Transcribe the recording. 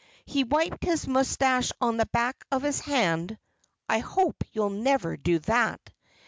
He wiped his moustache on the back of his hand (I hope you'll never do that!)